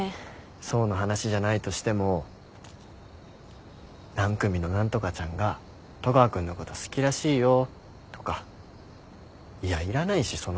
想の話じゃないとしても何組の何とかちゃんが戸川君のこと好きらしいよとかいやいらないしその情報。